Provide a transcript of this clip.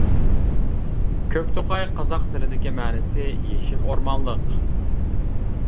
كۆكتوقاي قازاق تىلىدىكى مەنىسى «يېشىل ئورمانلىق» .